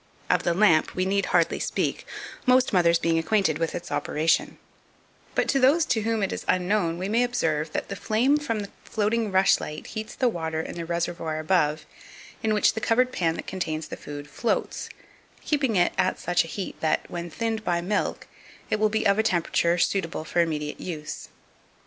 Of the lamp we need hardly speak, most mothers being acquainted with its operation: but to those to whom it is unknown we may observe, that the flame from the floating rushlight heats the water in the reservoir above, in which the covered pan that contains the food floats, keeping it at such a heat that, when thinned by milk, it will be of a temperature suitable for immediate use.